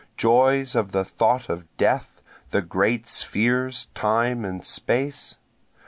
Joys of the thought of Death, the great spheres Time and Space?